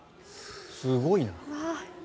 すごいな。